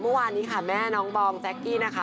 เมื่อวานนี้ค่ะแม่น้องบองแจ๊กกี้นะคะ